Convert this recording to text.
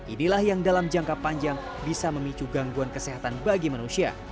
inilah yang dalam jangka panjang bisa memicu gangguan kesehatan bagi manusia